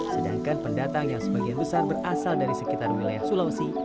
sedangkan pendatang yang sebagian besar berasal dari sekitar wilayah sulawesi